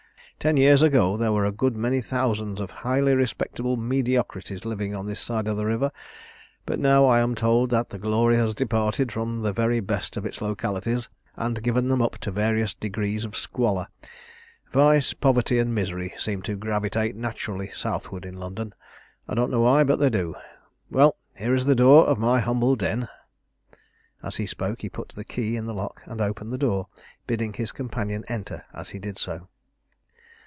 Ten years ago there were a good many thousands of highly respectable mediocrities living on this side of the river, but now I am told that the glory has departed from the very best of its localities, and given them up to various degrees of squalor. Vice, poverty, and misery seem to gravitate naturally southward in London. I don't know why, but they do. Well, here is the door of my humble den." As he spoke he put the key in the lock, and opened the door, bidding his companion enter as he did so.